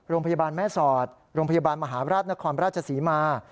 โรงพยาบาลแม่สอดโรงพยาบาลมหาราชนครราชศรีมา